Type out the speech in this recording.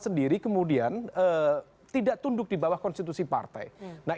untuk kemudian mengcapture sel sel kekuatan politik dan politik yang berkaitan dengan jaringan relawan